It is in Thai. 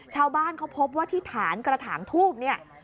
ชาวบ้านเขาพบว่าที่ฐานกระถางทูบเนี่ย